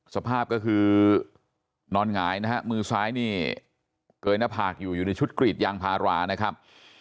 สภาพก็คือนอนหงายนะฮะมือซ้ายนี่เกยหน้าผากอยู่อยู่ในชุดกรีดยางพารานะครับ